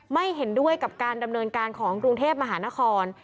ไม่เห็นด้วยกับการดำเนินการของกรุงเทพมหานคร